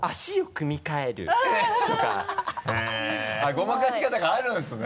ごまかし方があるんですね。